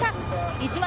石松